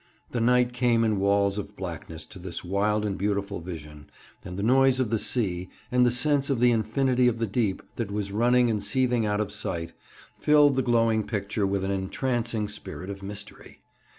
The night came in walls of blackness to this wild and beautiful vision, and the noise of the sea, and the sense of the infinity of the deep, that was running and seething out of sight, filled the glowing picture with an entrancing spirit of mystery.